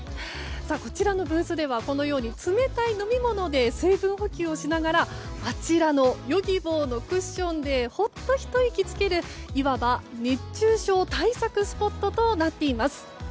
こちらのブースではこのように冷たい飲み物で水分補給をしながらあちらのヨギボーのクッションでほっと一息つけるいわば熱中症対策スポットとなっています。